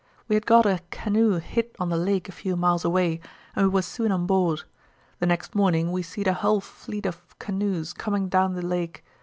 We had got a canoe hid on the lake a few miles away, and we was soon on board. The next morning we seed a hull fleet of canoes coming down the lake.